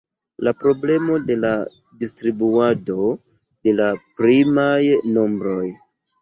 La problemo de la distribuado de la primaj nombroj.